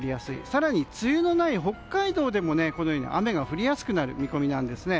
更に梅雨のない北海道でもこのように雨が降りやすくなる見込みなんですね。